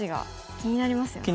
気になりますよね。